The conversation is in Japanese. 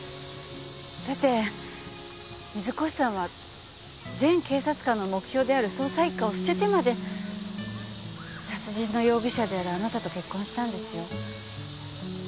だって水越さんは全警察官の目標である捜査一課を捨ててまで殺人の容疑者であるあなたと結婚したんですよ。